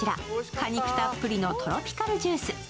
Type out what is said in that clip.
果肉たっぷりのトロピカルジュース。